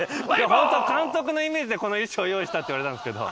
ホントは監督のイメージでこの衣装用意したって言われたんですけど。